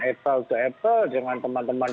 eva untuk eva dengan teman teman